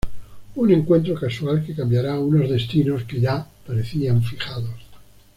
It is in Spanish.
Un encuentro casual que cambiará unos destinos que ya parecían fijados.